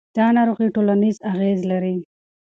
دا ناروغي ټولنیز اغېز لري.